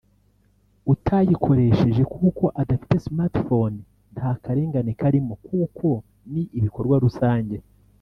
utayikoresheje kuko adafite smartphone nta karengane karimo kuko ni ibikorwa rusange